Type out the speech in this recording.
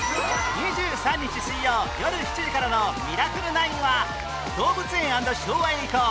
２３日水曜よる７時からの『ミラクル９』は動物園＆昭和へ行こう！